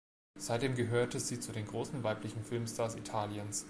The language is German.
Seitdem gehörte sie zu den großen weiblichen Filmstars Italiens.